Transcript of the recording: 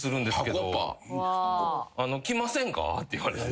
「来ませんか？」って言われて。